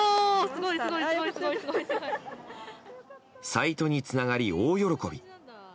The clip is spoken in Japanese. サイトにつながり、大喜び。